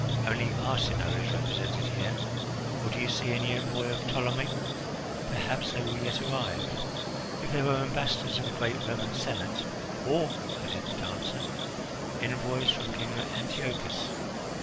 "Only Arsinoe is represented here. Or do you see any envoy of Ptolemy? Perhaps they will yet arrive. If there were ambassadors of the great Roman Senate " "Or," added the dancer, "envoys from King Antiochus.